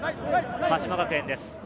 鹿島学園です。